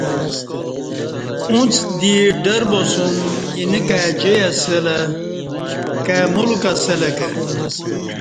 اُݩڅ دی ڈر باسُوم اینہ کائی جائ اسہ لہ ، کائ ملک اسلہ کہ